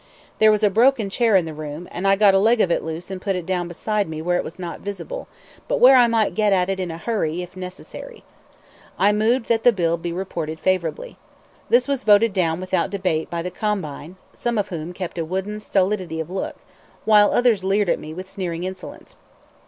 There was a broken chair in the room, and I got a leg of it loose and put it down beside me where it was not visible, but where I might get at it in a hurry if necessary. I moved that the bill be reported favorably. This was voted down without debate by the "combine," some of whom kept a wooden stolidity of look, while others leered at me with sneering insolence.